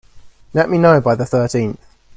Let me know by the thirteenth.